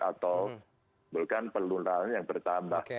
atau menimbulkan pelurahan yang bertambah